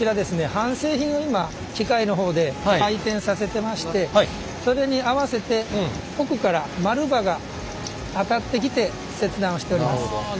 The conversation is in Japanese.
半製品を今機械の方で回転させてましてそれに合わせて奥から丸刃が当たってきて切断しております。